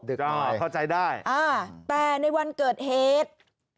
เด็กหน่อยเข้าใจได้อ่าแต่ในวันเกิดเหตุ